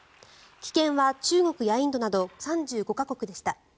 棄権は中国やインドなど３５か国でした。